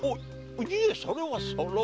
いえそれはその。